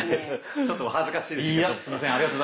ちょっとお恥ずかしいです。